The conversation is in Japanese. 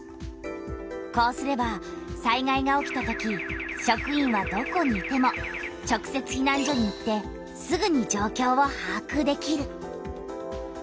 こうすれば災害が起きたとき職員はどこにいても直せつひなん所に行ってすぐに状況をはあくできる。